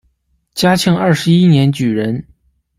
嘉庆二十一年举人。